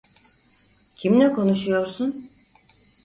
Kimle konuşuyorsun?